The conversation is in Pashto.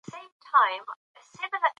ځینې دا رجحان سطحي بولي.